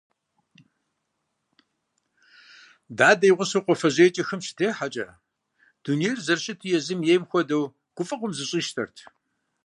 Дадэ и гъусэу кхъуафэжьейкӀэ хым щытехьэкӀэ, дунейр зэрыщыту езым ейм хуэдэу, гуфӀэгъуэм зэщӀищтэрт.